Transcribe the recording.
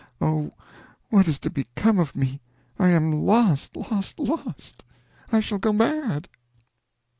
Oh, what is to become of me! I am lost, lost, lost! I shall go mad!"